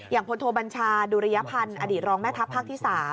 พลโทบัญชาดุริยพันธ์อดีตรองแม่ทัพภาคที่๓